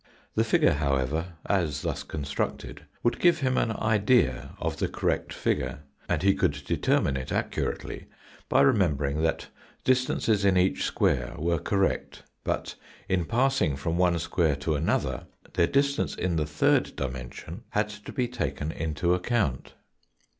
The figure, however, as thus constructed, would give him an idea of the correct figure, and he could determine it accurately by remembering that distances in each square were correct, but in passing from one square to another their distance in the third dimension had to be taken into account.